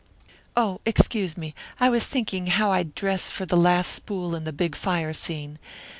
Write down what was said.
"Oh, excuse me; I was thinking how I'd dress her for the last spool in the big fire scene.